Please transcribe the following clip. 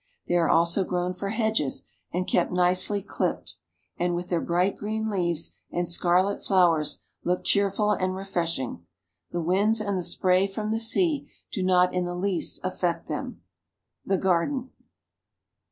They are also grown for hedges and kept nicely clipped, and with their bright green leaves and scarlet flowers look cheerful and refreshing. The winds and the spray from the sea do not in the least affect them. _The Garden.